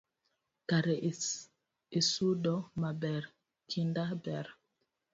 Kare isudo maber, kinda ber